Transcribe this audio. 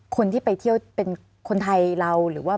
คนที่ไปเที่ยวเป็นคนไทยราว